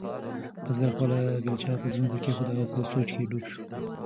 بزګر خپله بیلچه په ځمکه کېښوده او په سوچ کې ډوب شو.